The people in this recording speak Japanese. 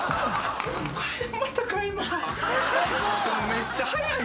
めっちゃ早い。